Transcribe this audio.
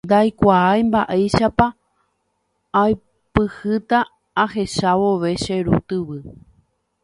ndaikuaái mba'éichapa aipyhýta ahecha vove che ru tyvy